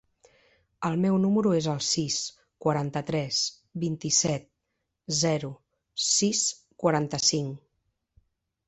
El meu número es el sis, quaranta-tres, vint-i-set, zero, sis, quaranta-cinc.